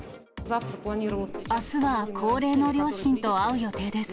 あすは高齢の両親と会う予定です。